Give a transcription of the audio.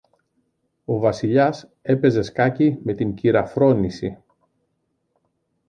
Ο Βασιλιάς έπαιζε σκάκι με την κυρα-Φρόνηση.